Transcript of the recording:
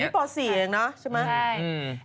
แต่นี่ป่าวสี่เองเนอะใช่ไหม